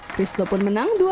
christo pun menang dua